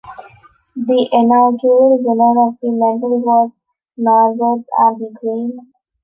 The inaugural winner of the medal was Norwood's Alby Green.